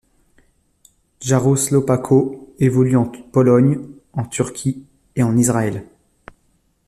Jarosław Bako évolue en Pologne, en Turquie, et en Israël.